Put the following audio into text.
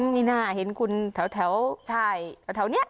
มีหน้าเพราะเห็นว่าคุณแถวเทียงแถวนี้